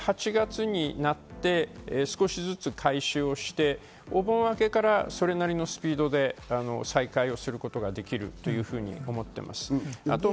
大体８月になって少しずつ回収をして、お盆あけからそれなりのスピードで再開をすることができるというふうに思っています。